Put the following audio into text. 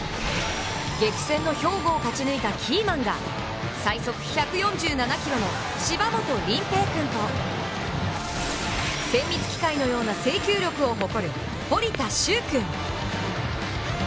激戦の兵庫を勝ち抜いたキーマンが最速１４７キロの芝本琳平君と精密機械のような制球力を誇る堀田柊君。